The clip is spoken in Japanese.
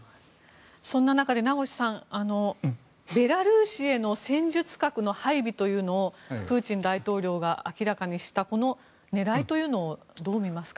そんな中で名越さん、ベラルーシへの戦術核の配備というのをプーチン大統領が明らかにしたこの狙いというのをどう見ますか。